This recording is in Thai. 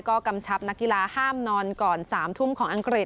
ก็กำชับนักกีฬาห้ามนอนก่อน๓ทุ่มของอังกฤษ